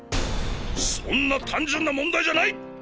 そんな単純な問題じゃない！